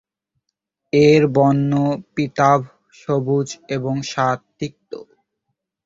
এর বর্ণ পীতাভ-সবুজ এবং স্বাদ তিক্ত।